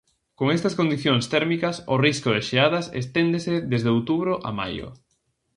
Con estas condicións térmicas o risco de xeadas esténdese desde outubro a maio.